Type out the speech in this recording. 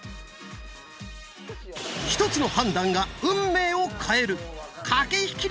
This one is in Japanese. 一つの判断が運命を変える駆け引き力が試される！